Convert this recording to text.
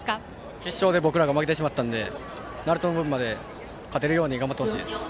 決勝で僕らが負けてしまったので鳴門の分まで頑張ってほしいです。